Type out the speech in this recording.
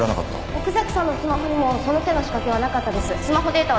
奥崎さんのスマホにもその手の仕掛けはなかったです。